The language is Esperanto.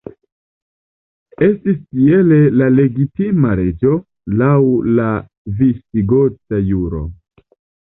Estis tiele la legitima reĝo, laŭ la visigota juro.